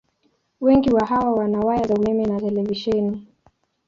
Wengi wa hawa wana waya za umeme na televisheni.